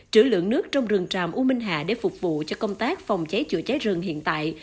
chữ lượng nước trong rừng tràm u minh hạ để phục vụ cho công tác phòng cháy chữa cháy rừng hiện tại